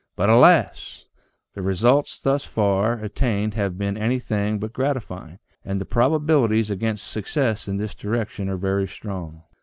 But alas ! the results thus far attained have been anything but grati fying, and the probabilities against success in this direction are very strong.